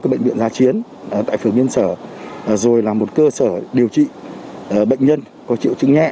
cái bệnh viện giã chiến tại phường biên sở rồi là một cơ sở điều trị bệnh nhân có triệu chứng nhẹ